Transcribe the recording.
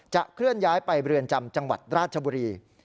เคลื่อนย้ายไปเรือนจำจังหวัดราชบุรี